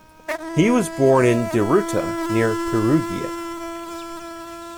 He was born in Deruta, near Perugia.